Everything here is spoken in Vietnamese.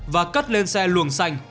và cắt lên xe luồng xanh